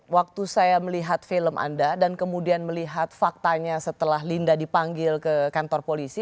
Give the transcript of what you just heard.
waktu saya melihat film anda dan kemudian melihat faktanya setelah linda dipanggil ke kantor polisi